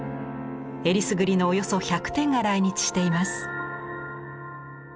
えりすぐりのおよそ１００点が来日しています。